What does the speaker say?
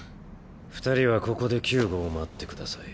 二人はここで救護を待ってください。